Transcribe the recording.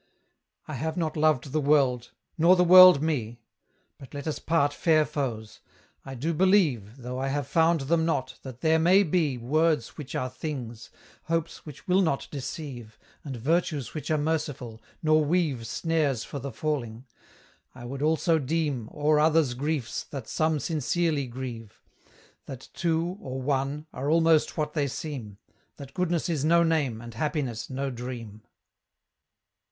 I have not loved the world, nor the world me, But let us part fair foes; I do believe, Though I have found them not, that there may be Words which are things, hopes which will not deceive, And virtues which are merciful, nor weave Snares for the falling: I would also deem O'er others' griefs that some sincerely grieve; That two, or one, are almost what they seem, That goodness is no name, and happiness no dream.